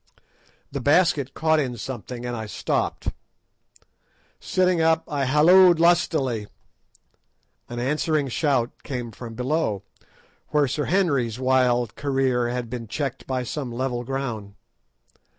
The basket caught in something and I stopped. Sitting up I halloed lustily. An answering shout came from below, where Sir Henry's wild career had been checked by some level ground.